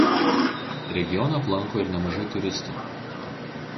Regioną aplanko ir nemažai turistų.